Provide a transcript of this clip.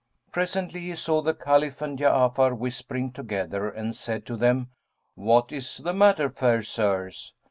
Presently he saw the Caliph and Ja'afar whispering together and said to them, "What is the matter, fair sirs?"